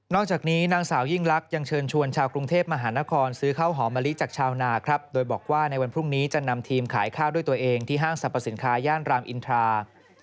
จากนี้นางสาวยิ่งลักษณ์ยังเชิญชวนชาวกรุงเทพมหานครซื้อข้าวหอมมะลิจากชาวนาครับโดยบอกว่าในวันพรุ่งนี้จะนำทีมขายข้าวด้วยตัวเองที่ห้างสรรพสินค้าย่านรามอินทรา